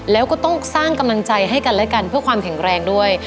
แล้วก็ต้องสร้างกำลังใจให้กันและกันเพื่อความแข็งแรงด้วย